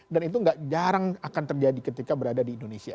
dan itu gak jarang akan terjadi ketika berada di indonesia